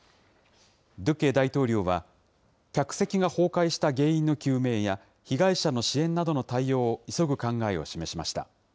ドゥケ大統領は、客席が崩壊した原因の究明や、被害者の支援などの対応を急ぐ考えを示しました。